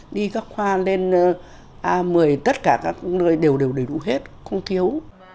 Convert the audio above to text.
đi các khoa lên a một mươi tất cả các nơi đều đều đầy đủ hết không thiếu